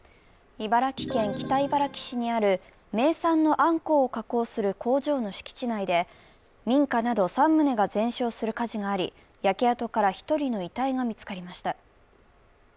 茨城県北茨城市にある名産のあんこうを加工する工場の敷地内で民家など３棟が全焼する火事があり焼け跡から１人の遺体が見つかりました。